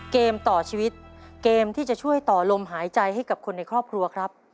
เกมต่อชีวิตเกมที่จะช่วยต่อลมหายใจให้กับคนในครอบครัวครับ